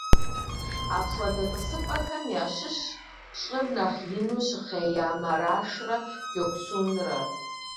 Апхуэдэ тӀысыпӀэхэм ящыщщ щӀыр нэхъ ину щыхъея Марашрэ Гёксунрэ.